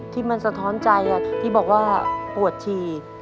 ที่มันสะท้อนใจที่บอกว่าปวดฉี่